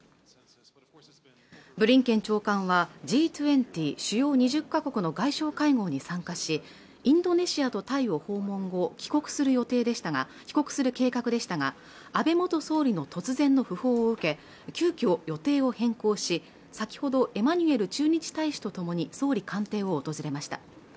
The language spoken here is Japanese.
ブリンケン長官はＧ２０＝主要２０か国の外相会合に参加しインドネシアとタイを訪問後帰国する計画でしたが安倍元総理の突然の訃報を受け急遽予定を変更し先ほどエマニュエル駐日大使とともに総理官邸を訪れました